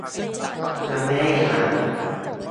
ยังไม่ได้อ่าน